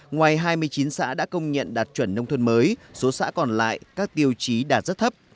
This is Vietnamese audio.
ngoài hai mươi chín xã đã công nhận đạt chuẩn nông thôn mới số xã còn lại các tiêu chí đạt rất thấp